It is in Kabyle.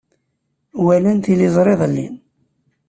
Walan tiliẓri iḍelli.